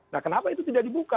nah kenapa itu tidak dibuka